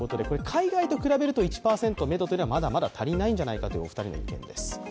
海外と比べると１％めどというのはまだまだ足りないんじゃないかというお二人の意見です。